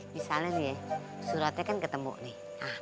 misalnya nih ya suratnya kan ketemu nih